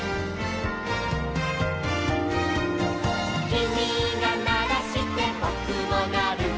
「きみがならしてぼくもなる」